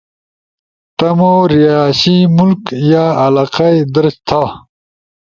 تمو رہائشی ملک/ علاقہ ئی درج تھا